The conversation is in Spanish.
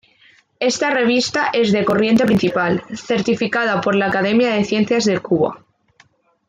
Esta revista es de corriente principal, certificada por la Academia de Ciencias de Cuba.